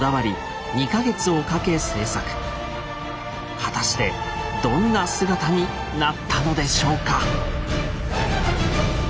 果たしてどんな姿になったのでしょうか？